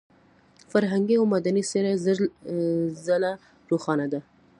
فرهنګي او مدني څېره زر ځله روښانه ده.